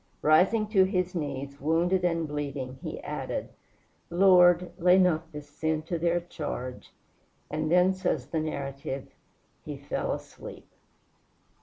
Rising to his knees, wounded and bleeding, he added, "Lord, lay not this sin to their charge." And then, says the narrative, "He fell asleep."